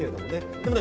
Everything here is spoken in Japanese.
でもね